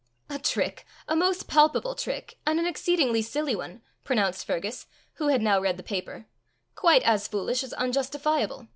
"A trick! a most palpable trick! and an exceedingly silly one!" pronounced Fergus, who had now read the paper; "quite as foolish as unjustifiable!